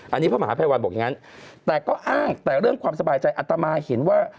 อันนี้พระมหาภัยวัณีบอกอย่างนั้นแต่เรื่องความสบายใจอันตรมาฮินว่า